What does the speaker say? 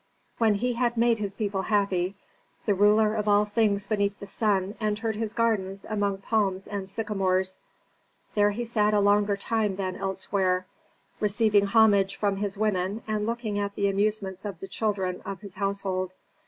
When he had made his people happy, the ruler of all things beneath the sun entered his gardens among palms and sycamores, there he sat a longer time than elsewhere, receiving homage from his women and looking at the amusements of the children of his household.